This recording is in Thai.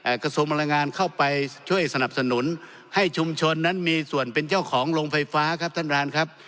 กระทรวงพลังงานเข้าไปช่วยสนับสนุนให้ชุมชนนั้นมีส่วนเป็นเจ้าของโรงไฟฟ้าครับท่านประธานครับ